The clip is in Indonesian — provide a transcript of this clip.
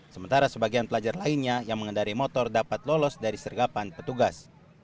sementara sebagian pelajar lainnya yang mengendari motor dapat lolos dari sergapan petugas